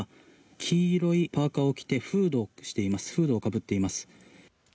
黄色いパーカを着てフードをかぶっています。